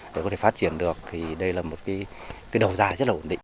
để có thể phát triển được thì đây là một cái đầu ra rất là ổn định